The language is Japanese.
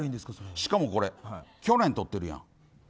しかもこれ、去年とってるやん。